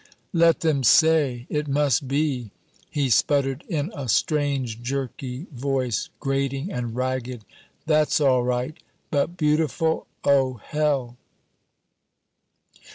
"Let them say, 'It must be,'" he sputtered in a strange jerky voice, grating and ragged; "that's all right. But beautiful! Oh, hell!"